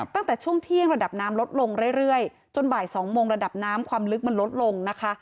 ตั้งแต่ช่วงเที่ยงระดับน้ำลดลงเรื่อยจนบ่าย๒โมงระดับน้ำความลึกมันลดลงนะคะ